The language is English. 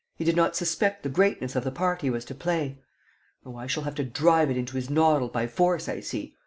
He did not suspect the greatness of the part he was to play? Oh, I shall have to drive it into his noddle by force, I see!